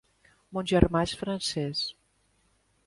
Mon germà és francés.